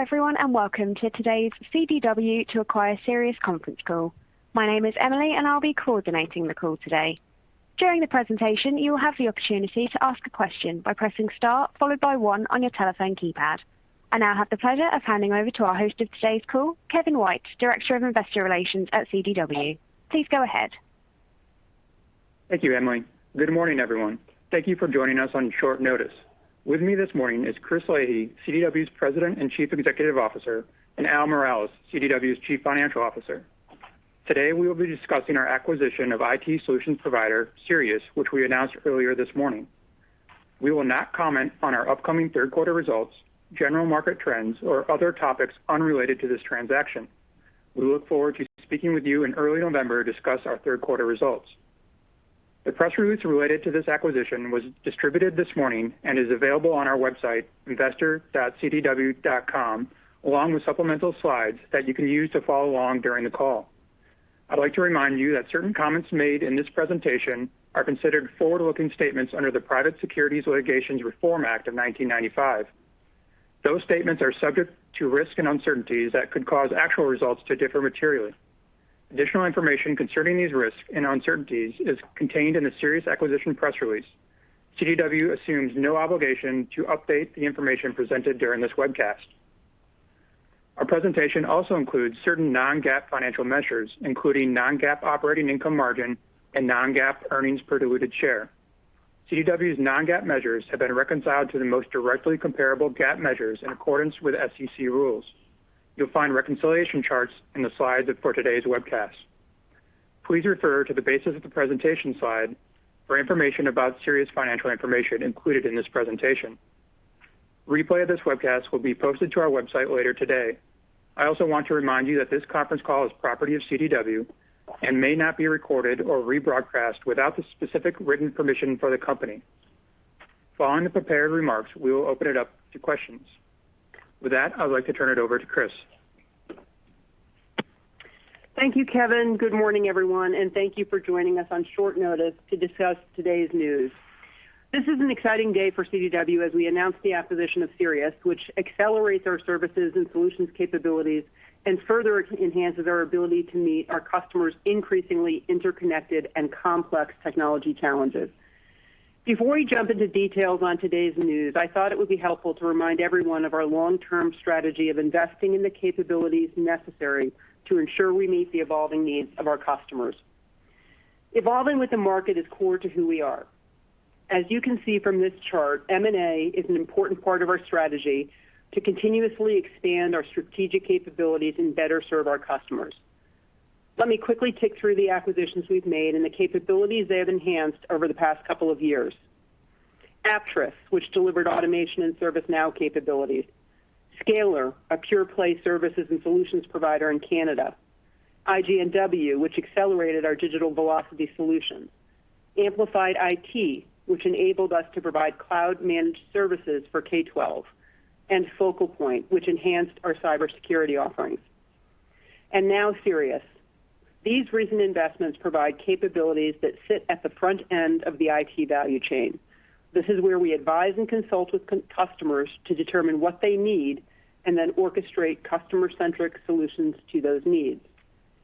Hello everyone, and welcome to today's CDW to acquire Sirius conference call. My name is Emily and I'll be coordinating the call today. During the presentation, you will have the opportunity to ask a question by pressing star, followed by one on your telephone keypad. I now have the pleasure of handing over to our host of today's call, Kevin White, Director of Investor Relations at CDW. Please go ahead. Thank you, Emily. Good morning, everyone. Thank you for joining us on short notice. With me this morning is Christine Leahy, CDW's President and Chief Executive Officer, and Al Miralles, CDW's Chief Financial Officer. Today we will be discussing our acquisition of IT solutions provider Sirius, which we announced earlier this morning. We will not comment on our upcoming third quarter results, general market trends, or other topics unrelated to this transaction. We look forward to speaking with you in early November to discuss our third quarter results. The press release related to this acquisition was distributed this morning and is available on our website, investor.cdw.com, along with supplemental slides that you can use to follow along during the call. I'd like to remind you that certain comments made in this presentation are considered forward-looking statements under the Private Securities Litigation Reform Act of 1995. Those statements are subject to risks and uncertainties that could cause actual results to differ materially. Additional information concerning these risks and uncertainties is contained in the Sirius acquisition press release. CDW assumes no obligation to update the information presented during this webcast. Our presentation also includes certain non-GAAP financial measures, including non-GAAP operating income margin and non-GAAP earnings per diluted share. CDW's non-GAAP measures have been reconciled to the most directly comparable GAAP measures in accordance with SEC rules. You'll find reconciliation charts in the slides for today's webcast. Please refer to the basis of the presentation slide for information about Sirius Financial information included in this presentation. Replay of this webcast will be posted to our website later today. I also want to remind you that this conference call is property of CDW and may not be recorded or rebroadcast without the specific written permission for the company. Following the prepared remarks, we will open it up to questions. With that, I would like to turn it over to Chris. Thank you, Kevin. Good morning, everyone, and thank you for joining us on short notice to discuss today's news. This is an exciting day for CDW as we announce the acquisition of Sirius, which accelerates our services and solutions capabilities and further enhances our ability to meet our customers' increasingly interconnected and complex technology challenges. Before we jump into details on today's news, I thought it would be helpful to remind everyone of our long-term strategy of investing in the capabilities necessary to ensure we meet the evolving needs of our customers. Evolving with the market is core to who we are. As you can see from this chart, M&A is an important part of our strategy to continuously expand our strategic capabilities and better serve our customers. Let me quickly tick through the acquisitions we've made and the capabilities they have enhanced over the past couple of years. Aptris, which delivered automation and ServiceNow capabilities. Scalar, a pure play services and solutions provider in Canada. IGNW, which accelerated our digital velocity solution. Amplified IT, which enabled us to provide cloud-managed services for K12. Focal Point, which enhanced our cybersecurity offerings. Now Sirius. These recent investments provide capabilities that sit at the front end of the IT value chain. This is where we advise and consult with customers to determine what they need and then orchestrate customer-centric solutions to those needs.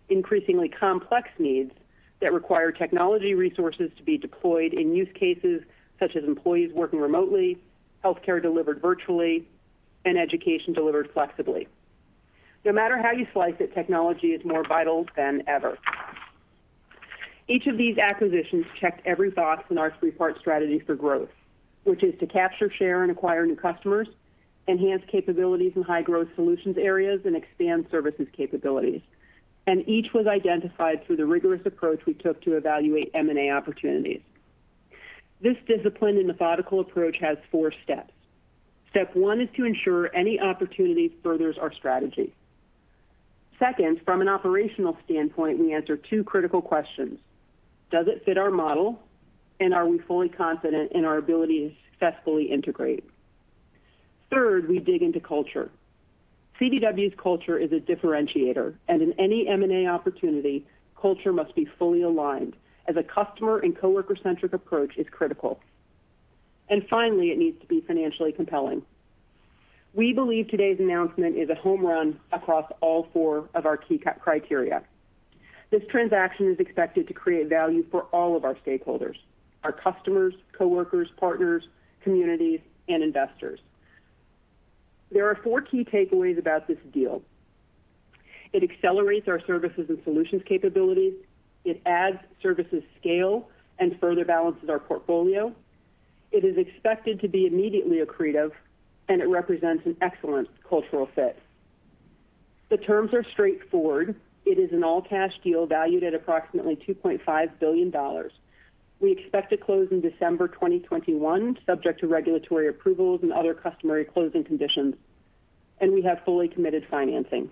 Increasingly complex needs that require technology resources to be deployed in use cases such as employees working remotely, healthcare delivered virtually, and education delivered flexibly. No matter how you slice it, technology is more vital than ever. Each of these acquisitions checked every box in our three part strategy for growth, which is to capture, share, and acquire new customers, enhance capabilities in high-growth solutions areas, and expand services capabilities. Each was identified through the rigorous approach we took to evaluate M&A opportunities. This disciplined and methodical approach has four steps. Step one is to ensure any opportunity furthers our strategy. Second, from an operational standpoint, we answer two critical questions, "Does it fit our model?" and "Are we fully confident in our ability to successfully integrate?" Third, we dig into culture. CDW's culture is a differentiator, and in any M&A opportunity, culture must be fully aligned as a customer and coworker-centric approach is critical. Finally, it needs to be financially compelling. We believe today's announcement is a home run across all four of our key criteria. This transaction is expected to create value for all of our stakeholders, our customers, coworkers, partners, communities, and investors. There are four key takeaways about this deal. It accelerates our services and solutions capabilities. It adds services scale and further balances our portfolio. It is expected to be immediately accretive, and it represents an excellent cultural fit. The terms are straightforward. It is an all-cash deal valued at approximately $2.5 billion. We expect to close in December 2021, subject to regulatory approvals and other customary closing conditions, and we have fully committed financing.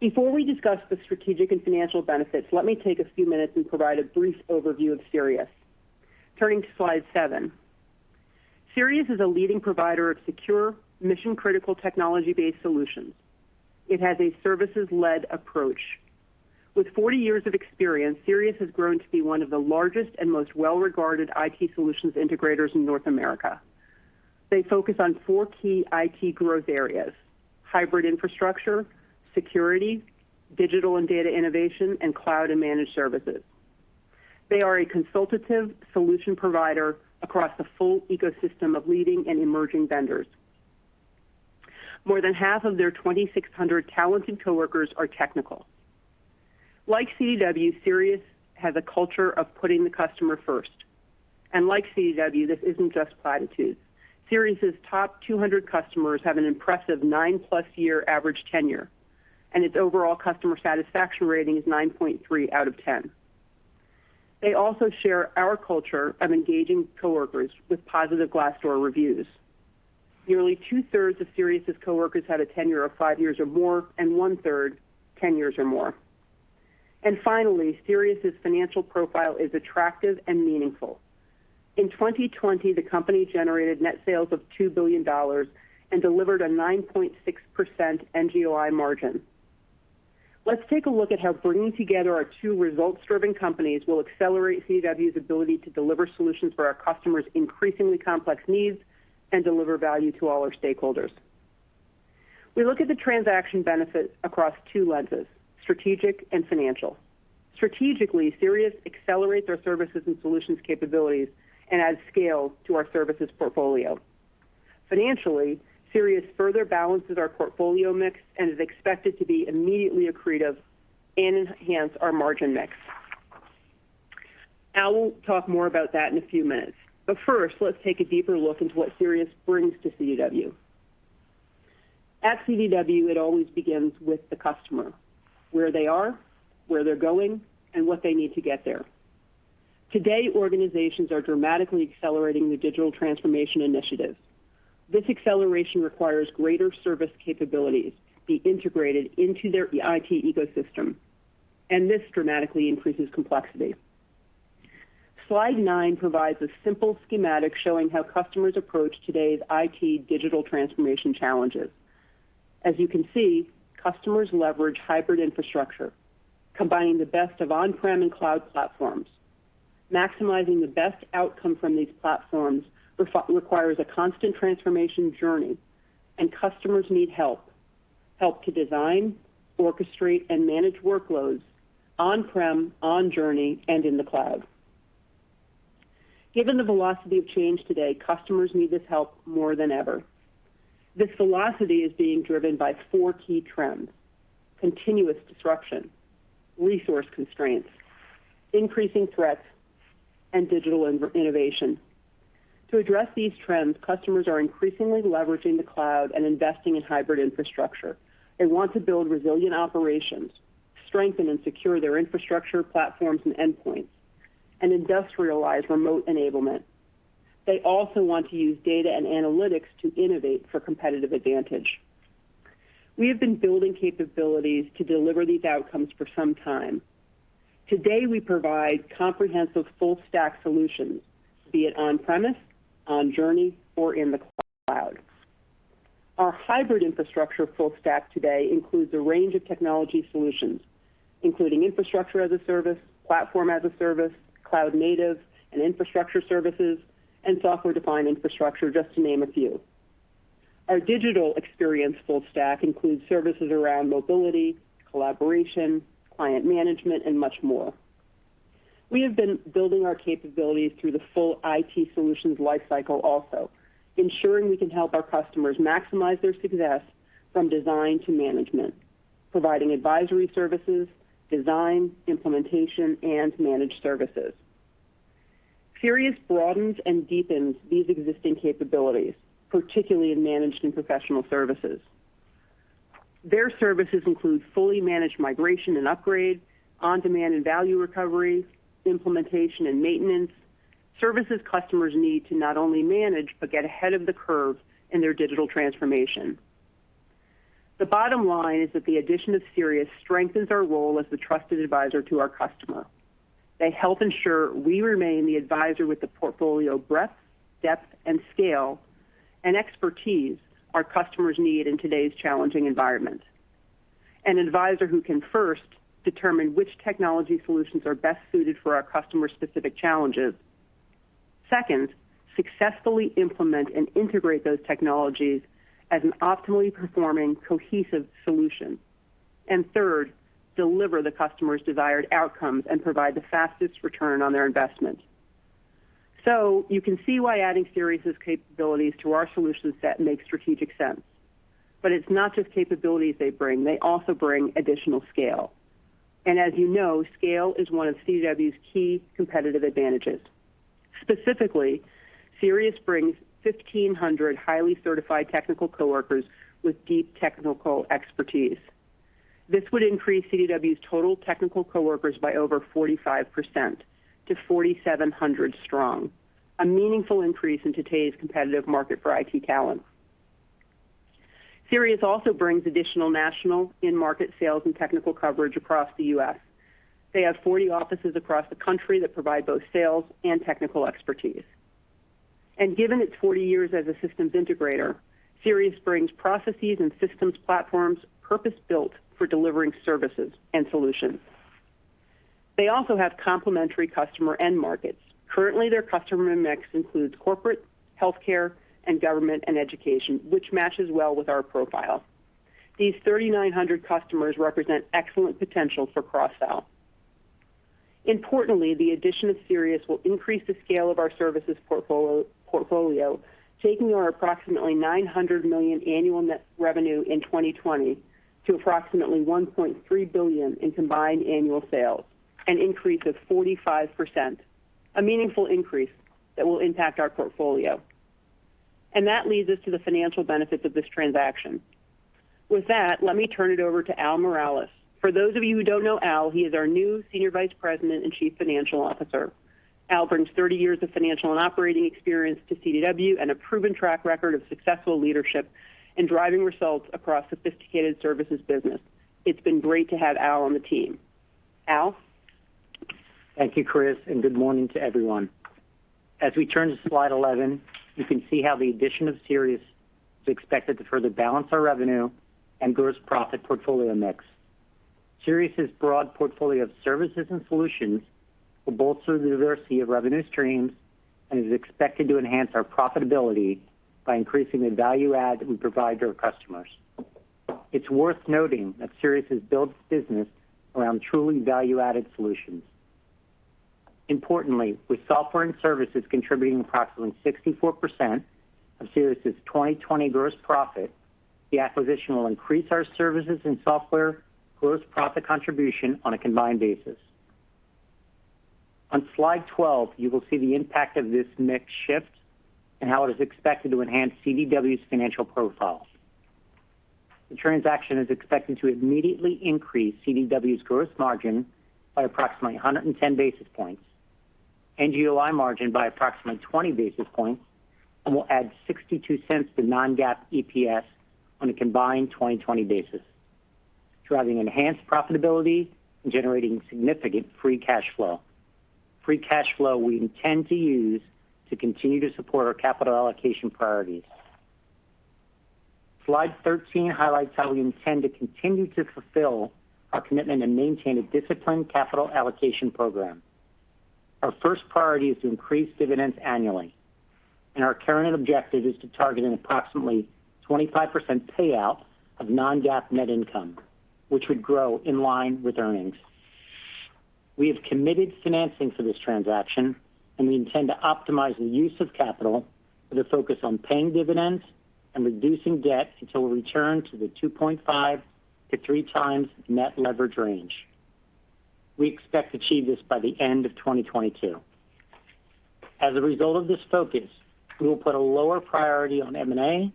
Before we discuss the strategic and financial benefits, let me take a few minutes and provide a brief overview of Sirius. Turning to slide seven. Sirius is a leading provider of secure, mission-critical technology-based solutions. It has a services-led approach. With 40 years of experience, Sirius has grown to be one of the largest and most well-regarded IT solutions integrators in North America. They focus on four key IT growth areas, hybrid infrastructure, security, digital and data innovation, and cloud and managed services. They are a consultative solution provider across the full ecosystem of leading and emerging vendors. More than half of their 2,600 talented coworkers are technical. Like CDW, Sirius has a culture of putting the customer first. Like CDW, this isn't just platitudes. Sirius' top 200 customers have an impressive 9 + year average tenure, and its overall customer satisfaction rating is 9.3 out of 10. They also share our culture of engaging coworkers with positive Glassdoor reviews. Nearly two-thirds of Sirius' coworkers had a tenure of five years or more, and one-third, 10 years or more. Finally, Sirius' financial profile is attractive and meaningful. In 2020, the company generated net sales of $2 billion and delivered a 9.6% NGOI margin. Let's take a look at how bringing together our two results-driven companies will accelerate CDW's ability to deliver solutions for our customers' increasingly complex needs and deliver value to all our stakeholders. We look at the transaction benefit across two lenses, strategic and financial. Strategically, Sirius accelerates our services and solutions capabilities and adds scale to our services portfolio. Financially, Sirius further balances our portfolio mix and is expected to be immediately accretive and enhance our margin mix. I will talk more about that in a few minutes, but first, let's take a deeper look into what Sirius brings to CDW. At CDW, it always begins with the customer, where they are, where they're going, and what they need to get there. Today, organizations are dramatically accelerating their digital transformation initiatives. This acceleration requires greater service capabilities to be integrated into their IT ecosystem, and this dramatically increases complexity. Slide nine provides a simple schematic showing how customers approach today's IT digital transformation challenges. As you can see, customers leverage hybrid infrastructure, combining the best of on-prem and cloud platforms. Maximizing the best outcome from these platforms requires a constant transformation journey, and customers need help. Help to design, orchestrate, and manage workloads on-prem, on journey, and in the cloud. Given the velocity of change today, customers need this help more than ever. This velocity is being driven by four key trends, continuous disruption, resource constraints, increasing threats, and digital innovation. To address these trends, customers are increasingly leveraging the cloud and investing in hybrid infrastructure. They want to build resilient operations, strengthen and secure their infrastructure platforms and endpoints, and industrialize remote enablement. They also want to use data and analytics to innovate for competitive advantage. We have been building capabilities to deliver these outcomes for some time. Today, we provide comprehensive full stack solutions, be it on-premise, on journey, or in the cloud. Our hybrid infrastructure full stack today includes a range of technology solutions, including infrastructure as a service, platform as a service, cloud native and infrastructure services, and software-defined infrastructure, just to name a few. Our digital experience full stack includes services around mobility, collaboration, client management, and much more. We have been building our capabilities through the full IT solutions lifecycle also, ensuring we can help our customers maximize their success from design to management, providing advisory services, design, implementation, and managed services. Sirius broadens and deepens these existing capabilities, particularly in managed and professional services. Their services include fully managed migration and upgrade, on-demand and value recovery, implementation and maintenance, services customers need to not only manage but get ahead of the curve in their digital transformation. The bottom line is that the addition of Sirius strengthens our role as the trusted advisor to our customer. They help ensure we remain the advisor with the portfolio breadth, depth and scale, and expertise our customers need in today's challenging environment. An advisor who can first determine which technology solutions are best suited for our customers' specific challenges. Second, successfully implement and integrate those technologies as an optimally performing cohesive solution. Third, deliver the customer's desired outcomes and provide the fastest return on their investment. So, you can see why adding Sirius' capabilities to our solution set makes strategic sense. It's not just capabilities they bring. They also bring additional scale. As you know, scale is one of CDW's key competitive advantages. Specifically, Sirius brings 1,500 highly certified technical coworkers with deep technical expertise. This would increase CDW's total technical coworkers by over 45% to 4,700 strong, a meaningful increase in today's competitive market for IT talent. Sirius also brings additional national in-market sales and technical coverage across the U.S. They have 40 offices across the country that provide both sales and technical expertise. And given its 40 years as a systems integrator, Sirius brings processes and systems platforms purpose-built for delivering services and solutions. They also have complementary customer end markets. Currently, their customer mix includes corporate, healthcare, and government and education, which matches well with our profile. These 3,900 customers represent excellent potential for cross-sell. Importantly, the addition of Sirius will increase the scale of our services portfolio, taking our approximately $900 million annual net revenue in 2020 to approximately $1.3 billion in combined annual sales, an increase of 45%, a meaningful increase that will impact our portfolio. That leads us to the financial benefits of this transaction. With that, let me turn it over to Al Miralles. For those of you who don't know Al, he is our new Senior Vice President and Chief Financial Officer. Al brings 30 years of financial and operating experience to CDW and a proven track record of successful leadership in driving results across sophisticated services business. It's been great to have Al on the team. Al? Thank you, Chris, and good morning to everyone. We turn to slide 11, you can see how the addition of Sirius Computer Solutions is expected to further balance our revenue and gross profit portfolio mix. Sirius Computer Solutions's broad portfolio of services and solutions will bolster the diversity of revenue streams and is expected to enhance our profitability by increasing the value add we provide to our customers. It's worth noting that Sirius Computer Solutions has built its business around truly value-added solutions. Importantly, with software and services contributing approximately 64% of Sirius Computer Solutions' 2020 gross profit, the acquisition will increase our services and software gross profit contribution on a combined basis. On slide 12, you will see the impact of this mix shift and how it is expected to enhance CDW's financial profile. The transaction is expected to immediately increase CDW's gross margin by approximately 110 basis points, and GOI margin by approximately 20 basis points, and will add $0.62 to non-GAAP EPS on a combined 2020 basis, driving enhanced profitability and generating significant free cash flow. Free cash flow we intend to use to continue to support our capital allocation priorities. Slide 13 highlights how we intend to continue to fulfill our commitment and maintain a disciplined capital allocation program. Our first priority is to increase dividends annually, and our current objective is to target an approximately 25% payout of non-GAAP net income, which would grow in line with earnings. We have committed financing for this transaction, and we intend to optimize the use of capital with a focus on paying dividends and reducing debt until we return to the 2.5 to 3x net leverage range. We expect to achieve this by the end of 2022. As a result of this focus, we will put a lower priority on M&A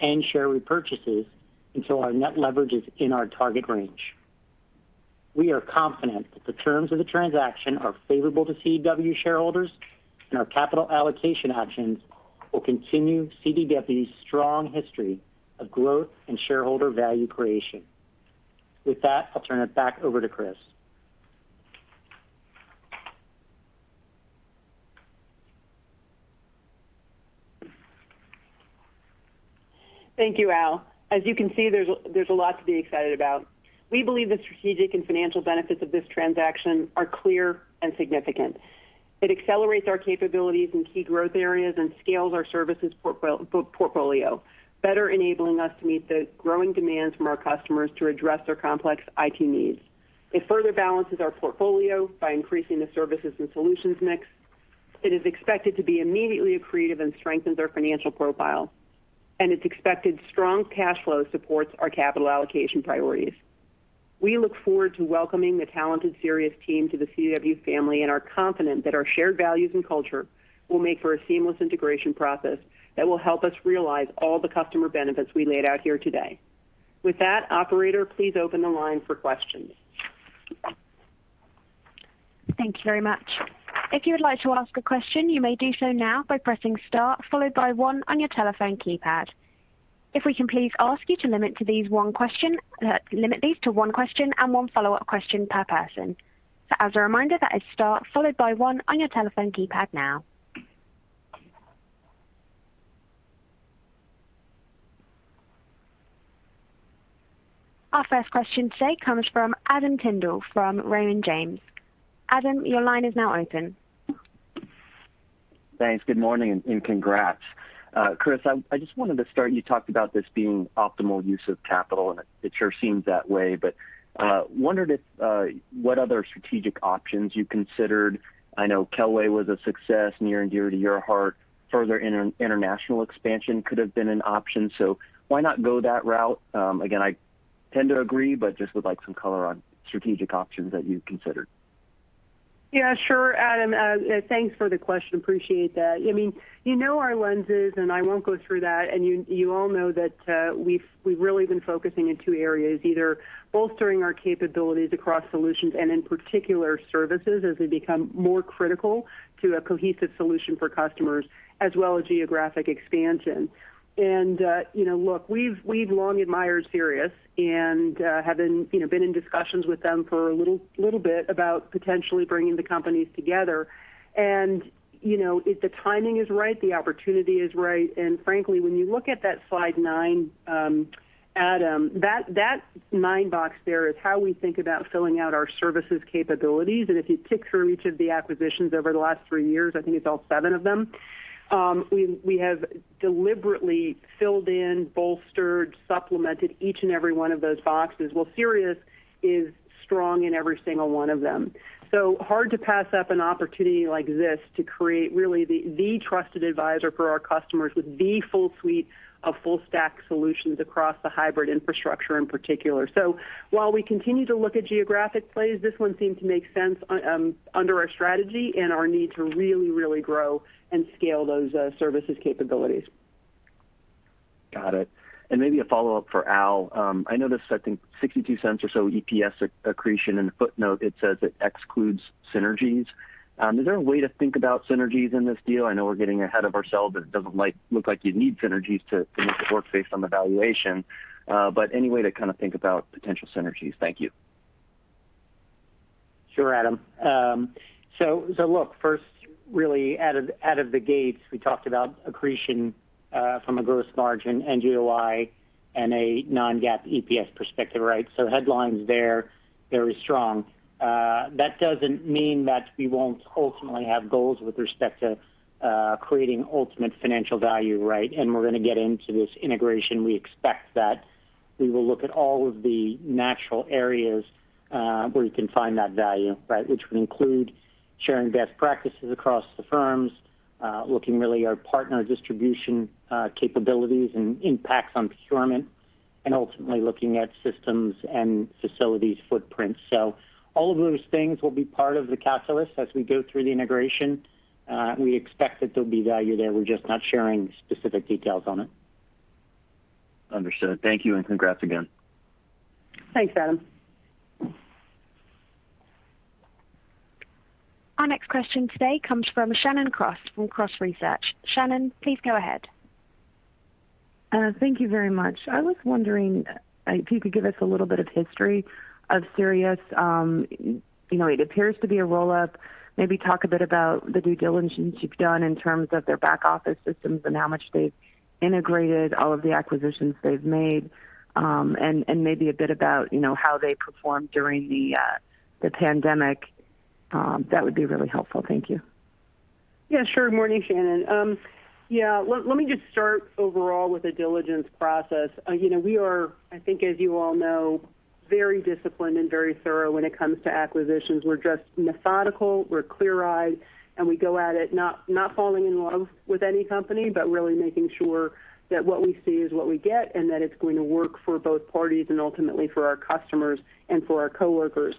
and share repurchases until our net leverage is in our target range. We are confident that the terms of the transaction are favorable to CDW shareholders, and our capital allocation actions will continue CDW's strong history of growth and shareholder value creation. With that, I'll turn it back over to Chris. Thank you, Al. As you can see, there's a lot to be excited about. We believe the strategic and financial benefits of this transaction are clear and significant. It accelerates our capabilities in key growth areas and scales our services portfolio, better enabling us to meet the growing demands from our customers to address their complex IT needs. It further balances our portfolio by increasing the services and solutions mix. It is expected to be immediately accretive and strengthens our financial profile, its expected strong cash flow supports our capital allocation priorities. We look forward to welcoming the talented Sirius team to the CDW family and are confident that our shared values and culture will make for a seamless integration process that will help us realize all the customer benefits we laid out here today. With that, operator, please open the line for questions. Thank you very much. If you would like to ask a question, you may do so now by pressing star followed by one on your telephone keypad. If we can please ask you to limit these to one question and one follow-up question per person. As a reminder, that is star followed by one on your telephone keypad now. Our first question today comes from Adam Tindle from Raymond James. Adam, your line is now open. Thanks. Good morning, and congrats. Chris, I just wanted to start, you talked about this being optimal use of capital, and it sure seems that way, but wondered what other strategic options you considered. I know Kelway was a success near and dear to your heart. Further international expansion could have been an option. Why not go that route? Again, I tend to agree, but just would like some color on strategic options that you considered. Yeah, sure, Adam. Thanks for the question. Appreciate that. You know our lenses, I won't go through that. You all know that we've really been focusing in two areas, either bolstering our capabilities across solutions and in particular services as they become more critical to a cohesive solution for customers as well as geographic expansion. Look, we've long admired Sirius and have been in discussions with them for a little bit about potentially bringing the companies together. The timing is right, the opportunity is right, and frankly, when you look at that slide nine, Adam, that nine box there is how we think about filling out our services capabilities. If you tick through each of the acquisitions over the last three years, I think it's all seven of them, we have deliberately filled in, bolstered, supplemented each and every one of those boxes. Well, Sirius is strong in every single one of them. Hard to pass up an opportunity like this to create really the trusted advisor for our customers with the full suite of full stack solutions across the hybrid infrastructure in particular. While we continue to look at geographic plays, this one seemed to make sense under our strategy and our need to really grow and scale those services capabilities. Got it. Maybe a follow-up for Al. I noticed, I think $0.62 or so EPS accretion in the footnote, it says it excludes synergies. Is there a way to think about synergies in this deal? I know we're getting ahead of ourselves, it doesn't look like you need synergies to make it work based on the valuation. Any way to kind of think about potential synergies? Thank you. Sure, Adam. Look, first really out of the gates, we talked about accretion from a gross margin, NGOI, and a non-GAAP EPS perspective. Headlines there, very strong. That doesn't mean that we won't ultimately have goals with respect to creating ultimate financial value. We're going to get into this integration. We expect that we will look at all of the natural areas where we can find that value. Which would include sharing best practices across the firms, looking really at our partner distribution capabilities and impacts on procurement, and ultimately looking at systems and facilities footprints. All of those things will be part of the calculus as we go through the integration. We expect that there'll be value there, we're just not sharing specific details on it. Understood. Thank you, and congrats again. Thanks, Adam. Our next question today comes from Shannon Cross from Cross Research. Shannon, please go ahead. Thank you very much. I was wondering if you could give us a little bit of history of Sirius. It appears to be a roll-up. Maybe talk a bit about the due diligence you've done in terms of their back office systems and how much they've integrated all of the acquisitions they've made. Maybe a bit about how they performed during the pandemic. That would be really helpful. Thank you. Yeah, sure. Morning, Shannon. Let me just start overall with the diligence process. We are, I think as you all know, very disciplined and very thorough when it comes to acquisitions. We're just methodical, we're clear-eyed, and we go at it not falling in love with any company, but really making sure that what we see is what we get, and that it's going to work for both parties and ultimately for our customers and for our coworkers.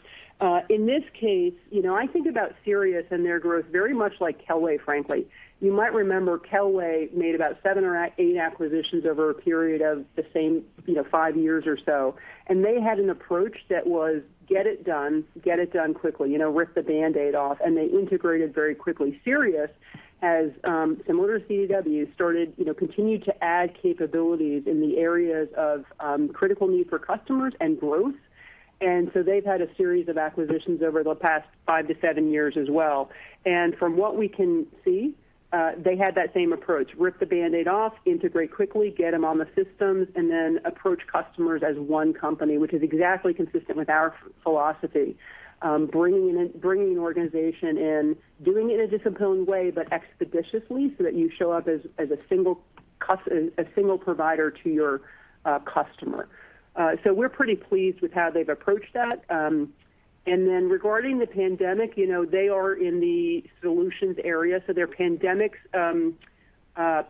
In this case, I think about Sirius Computer Solutions and their growth very much like Kelway, frankly. You might remember Kelway made about seven or eight acquisitions over a period of the same five years or so. They had an approach that was get it done, get it done quickly, rip the Band-Aid off. They integrated very quickly. Sirius has, similar to CDW, started continue to add capabilities in the areas of critical need for customers and growth. They've had a series of acquisitions over the past 5-7 years as well. From what we can see, they had that same approach, rip the Band-Aid off, integrate quickly, get them on the systems, and then approach customers as one company, which is exactly consistent with our philosophy. Bringing an organization in, doing it in a disciplined way, but expeditiously, so that you show up as a single provider to your customer. We're pretty pleased with how they've approached that. Regarding the pandemic, they are in the solutions area, so their pandemic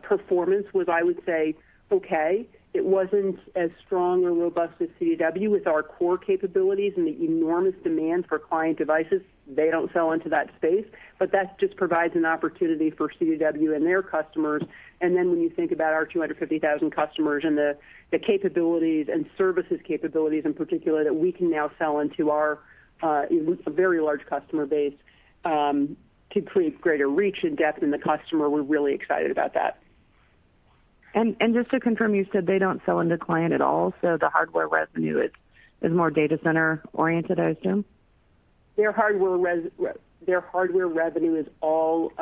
performance was, I would say, okay. It wasn't as strong or robust as CDW with our core capabilities and the enormous demand for client devices. They don't sell into that space. That just provides an opportunity for CDW and their customers. When you think about our 250,000 customers and the capabilities and services capabilities in particular that we can now sell into our very large customer base to create greater reach and depth in the customer, we're really excited about that. Just to confirm, you said they don't sell into client at all, so the hardware revenue is more data center-oriented, I assume? Their hardware revenue is all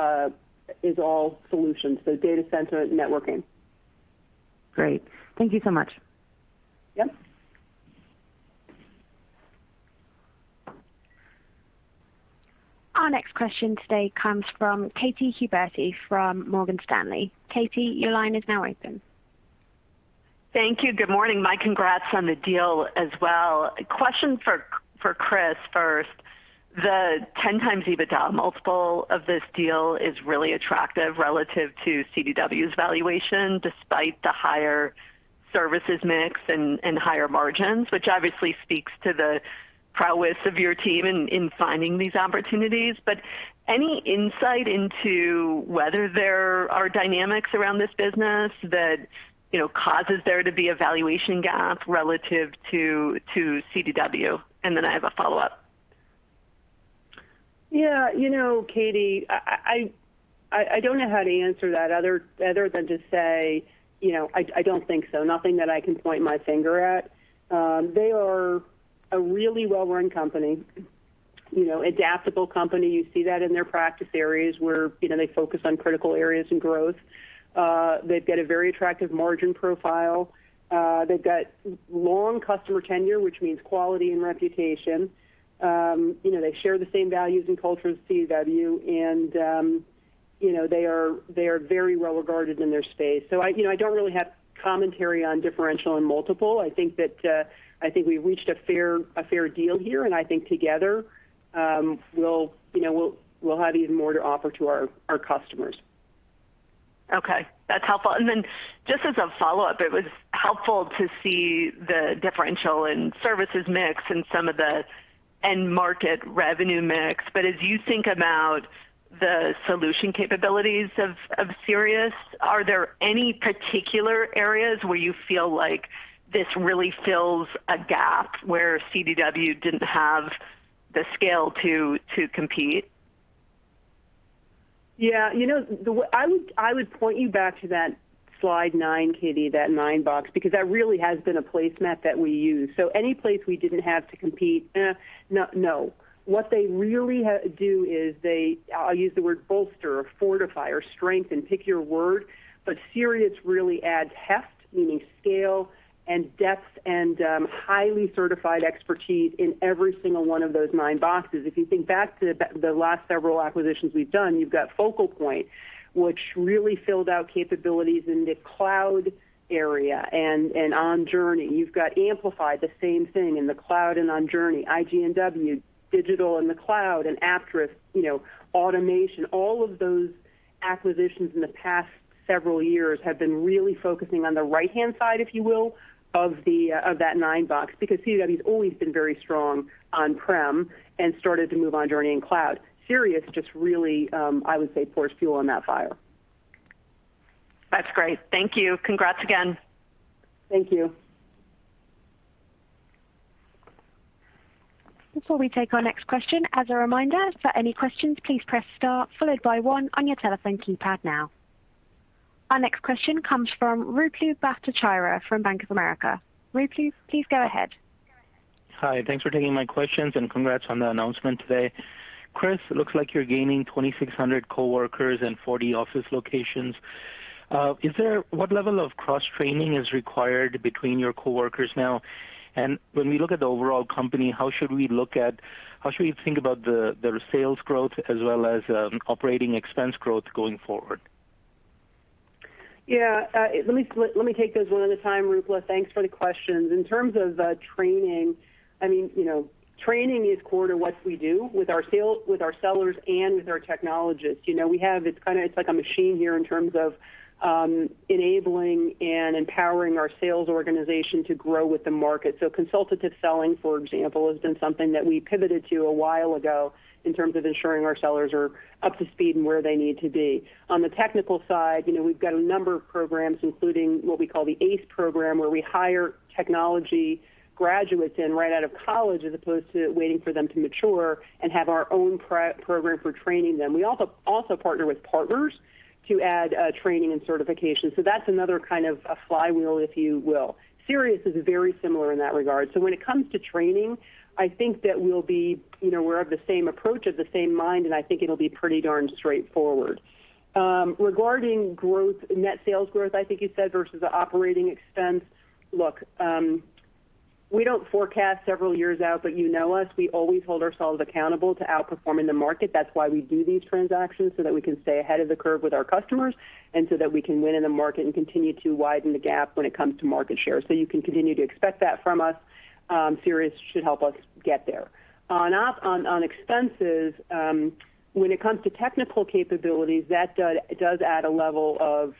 solutions, so data center, networking. Great. Thank you so much. Yep. Our next question today comes from Katy Huberty from Morgan Stanley. Katy, your line is now open. Thank you. Good morning. My congrats on the deal as well. Question for Chris first. The 10x EBITDA multiple of this deal is really attractive relative to CDW's valuation, despite the higher services mix and higher margins, which obviously speaks to the prowess of your team in finding these opportunities. Any insight into whether there are dynamics around this business that causes there to be a valuation gap relative to CDW? I have a follow-up. Katy, I don't know how to answer that other than to say I don't think so. Nothing that I can point my finger at. They are a really well-run company, adaptable company. You see that in their practice areas where they focus on critical areas and growth. They've got a very attractive margin profile. They've got long customer tenure, which means quality and reputation. They share the same values and culture as CDW, and they are very well-regarded in their space. I don't really have commentary on differential and multiple. I think we've reached a fair deal here, and I think together, we'll have even more to offer to our customers. Okay. That's helpful. Then just as a follow-up, it was helpful to see the differential in services mix and some of the end market revenue mix. As you think about the solution capabilities of Sirius, are there any particular areas where you feel like this really fills a gap where CDW didn't have the scale to compete? I would point you back to that slide nine, Katy, that nine box, because that really has been a place mat that we use. Any place we didn't have to compete, eh, no. What they really do is they, I'll use the word bolster or fortify or strengthen, pick your word, Sirius really adds heft, meaning scale and depth and highly certified expertise in every single one of those nine boxes. If you think back to the last several acquisitions we've done, you've got Focal Point, which really filled out capabilities in the cloud area and on journey. You've got Amplify, the same thing in the cloud and on journey. IGNW, digital in the cloud, Aptris, automation. All of those acquisitions in the past several years have been really focusing on the right-hand side, if you will, of that nine box, because CDW's always been very strong on-prem and started to move on journey in cloud. Sirius just really, I would say, pours fuel on that fire. That's great. Thank you. Congrats again. Thank you. Before we take our next question, as a reminder, for any questions, please press star followed by one on your telephone keypad now. Our next question comes from Ruplu Bhattacharya from Bank of America. Ruplu, please go ahead. Hi. Thanks for taking my questions, and congrats on the announcement today. Chris, looks like you're gaining 2,600 coworkers and 40 office locations. What level of cross-training is required between your coworkers now? When we look at the overall company, how should we think about the sales growth as well as operating expense growth going forward? Let me take those one at a time, Ruplu. Thanks for the questions. In terms of training is core to what we do with our sellers and with our technologists. It's like a machine here in terms of enabling and empowering our sales organization to grow with the market. Consultative selling, for example, has been something that we pivoted to a while ago in terms of ensuring our sellers are up to speed and where they need to be. On the technical side, we've got a number of programs, including what we call the ACE program, where we hire technology graduates in right out of college as opposed to waiting for them to mature and have our own program for training them. We also partner with partners to add training and certification. That's another kind of a flywheel, if you will. Sirius is very similar in that regard. When it comes to training, I think that we're of the same approach, of the same mind, and I think it'll be pretty darn straightforward. Regarding net sales growth, I think you said, versus the operating expense, look, we don't forecast several years out, you know us. We always hold ourselves accountable to outperforming the market. That's why we do these transactions so that we can stay ahead of the curve with our customers and so that we can win in the market and continue to widen the gap when it comes to market share. You can continue to expect that from us. Sirius should help us get there. On expenses, when it comes to technical capabilities, that does add a level of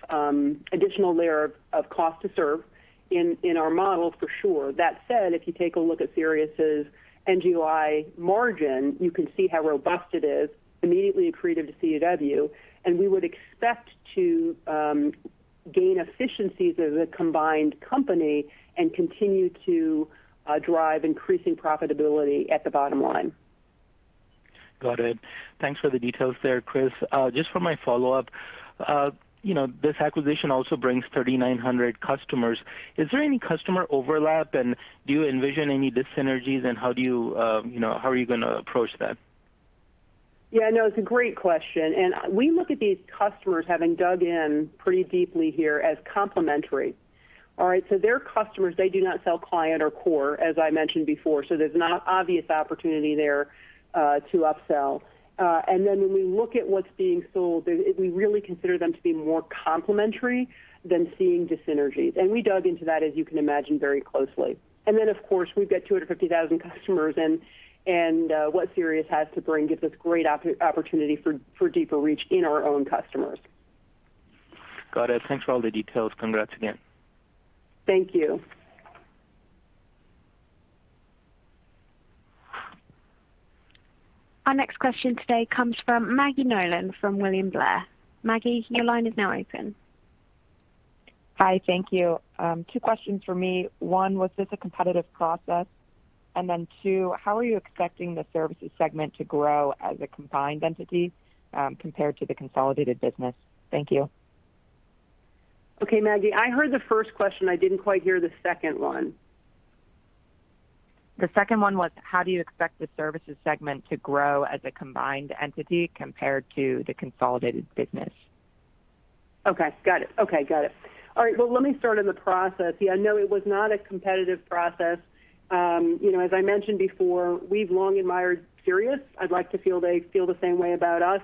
additional layer of cost to serve in our model for sure. That said, if you take a look at Sirius's NGOI margin, you can see how robust it is immediately accretive to CDW, and we would expect to gain efficiencies as a combined company and continue to drive increasing profitability at the bottom line. Got it. Thanks for the details there, Chris. Just for my follow-up, this acquisition also brings 3,900 customers. Is there any customer overlap, and do you envision any dyssynergies, and how are you going to approach that? Yeah, no, it's a great question. We look at these customers, having dug in pretty deeply here, as complementary. All right? Their customers, they do not sell client or core, as I mentioned before, so there's an obvious opportunity there to upsell. When we look at what's being sold, we really consider them to be more complementary than seeing dyssynergies. We dug into that, as you can imagine, very closely. Of course, we've got 250,000 customers, and what Sirius has to bring gives us great opportunity for deeper reach in our own customers. Got it. Thanks for all the details. Congrats again. Thank you. Our next question today comes from Maggie Nolan from William Blair. Maggie, your line is now open. Hi. Thank you. Two questions for me. One, was this a competitive process? Two, how are you expecting the services segment to grow as a combined entity compared to the consolidated business? Thank you. Okay, Maggie. I heard the first question. I didn't quite hear the second one. The second one was, how do you expect the services segment to grow as a combined entity compared to the consolidated business? Okay, got it. All right. Well, let me start in the process. Yeah, no, it was not a competitive process. As I mentioned before, we've long admired Sirius. I'd like to feel they feel the same way about us.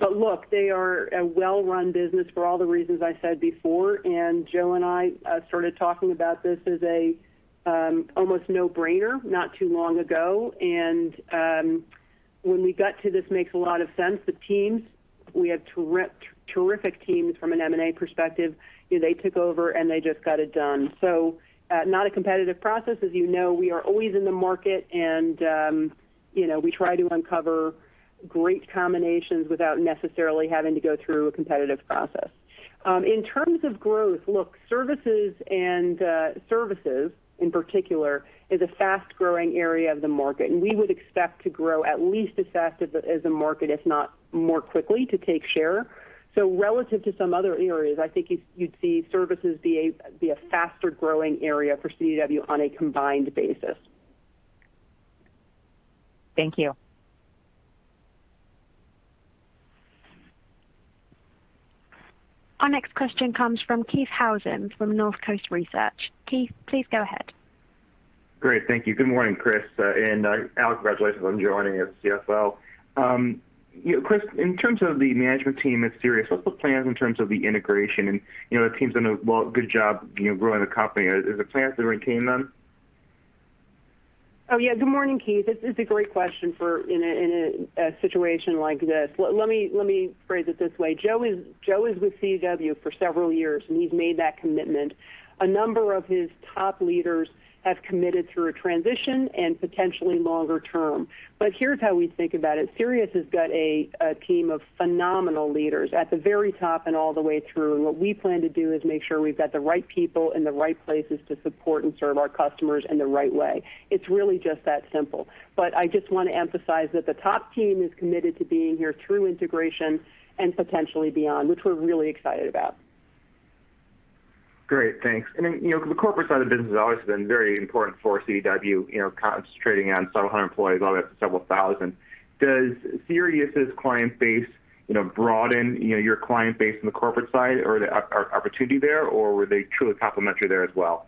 Look, they are a well-run business for all the reasons I said before, and Joe and I started talking about this as a almost no-brainer not too long ago. When we got to this makes a lot of sense, the teams, we had terrific teams from an M&A perspective. They took over, and they just got it done. Not a competitive process. As you know, we are always in the market, and we try to uncover great combinations without necessarily having to go through a competitive process. In terms of growth, look, services in particular is a fast-growing area of the market, and we would expect to grow at least as fast as the market, if not more quickly to take share. Relative to some other areas, I think you'd see services be a faster-growing area for CDW on a combined basis. Thank you. Our next question comes from Keith Housum from Northcoast Research. Keith, please go ahead. Great. Thank you. Good morning, Chris and Al, congratulations on joining as CFO. Chris, in terms of the management team at Sirius, what's the plan in terms of the integration? The team's done a good job growing the company. Is there plans to retain them? Yeah. Good morning, Keith. It's a great question in a situation like this. Let me phrase it this way. Joe is with CDW for several years, and he's made that commitment. A number of his top leaders have committed through a transition and potentially longer term. Here's how we think about it. Sirius has got a team of phenomenal leaders at the very top and all the way through, and what we plan to do is make sure we've got the right people in the right places to support and serve our customers in the right way. It's really just that simple. I just want to emphasize that the top team is committed to being here through integration and potentially beyond, which we're really excited about. Great, thanks. The corporate side of the business has always been very important for CDW, concentrating on several hundred employees all the way up to several thousand. Does Sirius's client base broaden your client base on the corporate side or the opportunity there, or were they truly complementary there as well?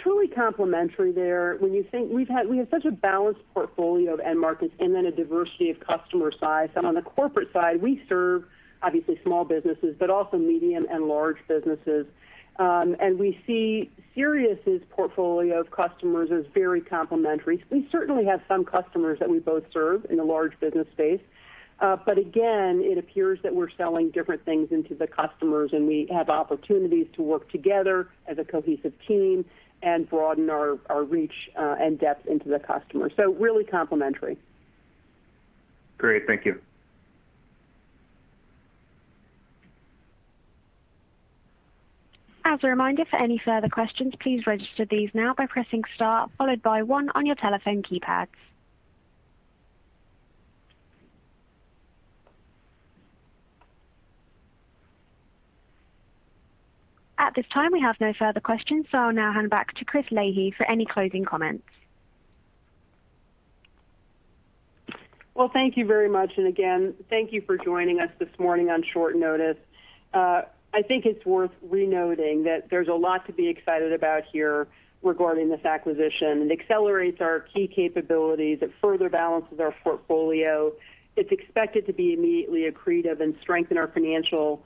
Truly complementary there. We have such a balanced portfolio of end markets and then a diversity of customer size. On the corporate side, we serve obviously small businesses, but also medium and large businesses. We see Sirius's portfolio of customers as very complementary. We certainly have some customers that we both serve in the large business space. Again, it appears that we're selling different things into the customers, and we have opportunities to work together as a cohesive team and broaden our reach and depth into the customer. Really complementary. Great. Thank you. As a reminder, for any further questions, please register these now by pressing star followed by one on your telephone keypads. At this time, we have no further questions, so I'll now hand back to Christine Leahy for any closing comments. Well, thank you very much. Thank you for joining us this morning on short notice. I think it's worth re-noting that there's a lot to be excited about here regarding this acquisition. It accelerates our key capabilities. It further balances our portfolio. It's expected to be immediately accretive and strengthen our financial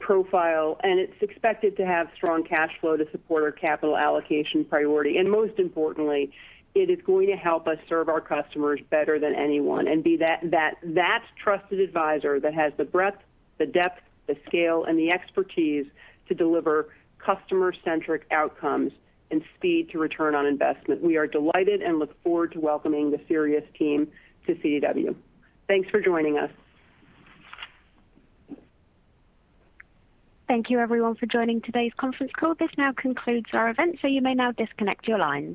profile. It's expected to have strong cash flow to support our capital allocation priority. Most importantly, it is going to help us serve our customers better than anyone and be that trusted advisor that has the breadth, the depth, the scale, and the expertise to deliver customer-centric outcomes and speed to return on investment. We are delighted and look forward to welcoming the Sirius team to CDW. Thanks for joining us. Thank you, everyone, for joining today's conference call. This now concludes our event, so you may now disconnect your lines.